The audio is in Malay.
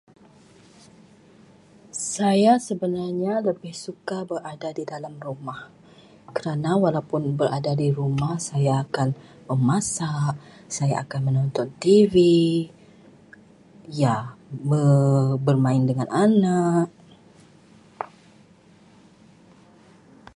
Saya sebenarnya lebih suka berada di dalam rumah, kerana walaupun berada di rumah, saya akan memasak, saya akan menonton TV, ya, bermain dengan anak.